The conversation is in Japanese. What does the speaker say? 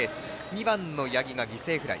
２番の八木が犠牲フライ。